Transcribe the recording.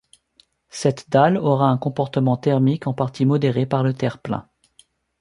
Cette dalle aura un comportement thermique en partie modéré par le terre-plein.